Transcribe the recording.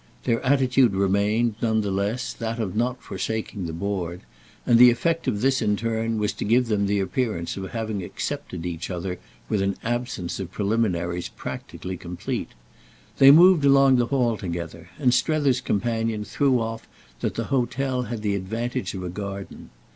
Their attitude remained, none the less, that of not forsaking the board; and the effect of this in turn was to give them the appearance of having accepted each other with an absence of preliminaries practically complete. They moved along the hall together, and Strether's companion threw off that the hotel had the advantage of a garden.